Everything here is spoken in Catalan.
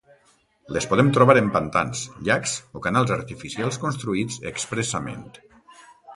Les podem trobar en pantans, llacs o canals artificials construïts expressament.